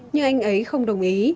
nhưng anh ấy không đồng ý